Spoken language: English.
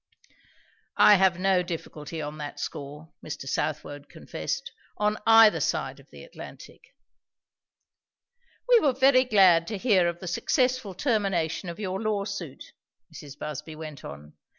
"I have no difficulty on that score," Mr. Southwode confessed; "on either side of the Atlantic." "We were very glad to hear of the successful termination of your lawsuit," Mrs. Busby went on.